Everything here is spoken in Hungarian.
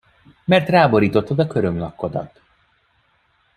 Mert ráborítottad a körömlakkodat.